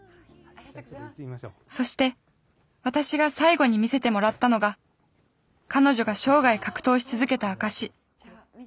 そして私が最後に見せてもらったのが彼女が生涯格闘し続けた証し。